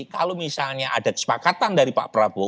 kalau misalnya ada kesepakatan dari pak prabowo